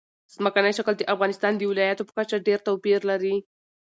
ځمکنی شکل د افغانستان د ولایاتو په کچه ډېر توپیر لري.